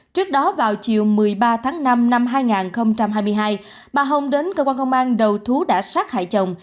trước đó vào chiều một mươi ba tháng năm năm hai nghìn hai mươi hai bà hồng đến cơ quan công an đầu thú đã sát hại chồng